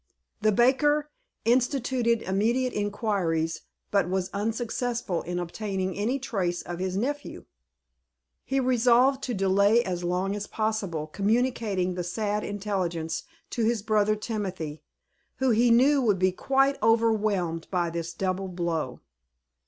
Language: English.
The baker instituted immediate inquiries, but was unsuccessful in obtaining any trace of his nephew. He resolved to delay as long as possible communicating the sad intelligence to his brother Timothy, who he knew would be quite overwhelwed by this double blow.